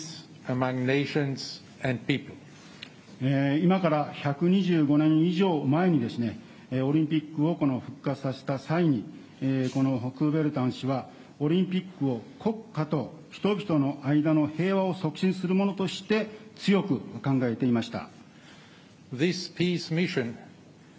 今から１２５年以上前に、オリンピックを復活させた際に、このクーベルタン氏は、オリンピックを国家と人々の間の平和を促進するものとして、強く考えていました。